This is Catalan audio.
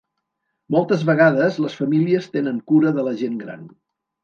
Moltes vegades, les famílies tenen cura de la gent gran.